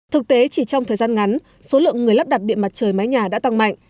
thực tế chỉ trong thời gian ngắn số lượng người lắp đặt điện mặt trời mái nhà đã tăng mạnh